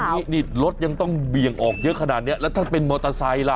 นี่นี่รถยังต้องเบี่ยงออกเยอะขนาดนี้แล้วท่านเป็นมอเตอร์ไซค์ล่ะ